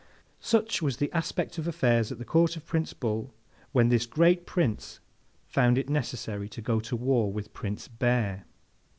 Such was the aspect of affairs at the court of Prince Bull, when this great Prince found it necessary to go to war with Prince Bear.